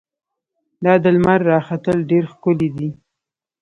دا د لمر راختل ډېر ښکلی دي.